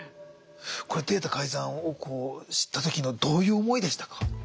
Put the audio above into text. これデータ改ざんを知った時どういう思いでしたか？